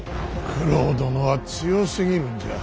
九郎殿は強すぎるんじゃ。